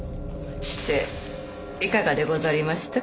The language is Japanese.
していかがでござりました？